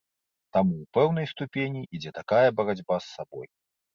Таму ў пэўнай ступені ідзе такая барацьба з сабой.